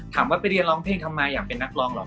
ถามว่าไปเรียนร้องเพลงทำไมอยากเป็นนักร้องเหรอ